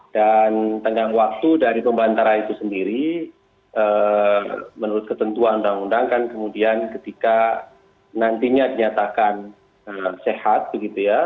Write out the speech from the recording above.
dan tenggang waktu dari pembantaran itu sendiri menurut ketentuan undang undang kan kemudian ketika nantinya dinyatakan sehat begitu ya